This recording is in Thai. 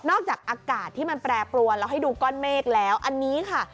จากอากาศที่มันแปรปรวนเราให้ดูก้อนเมฆแล้วอันนี้ค่ะ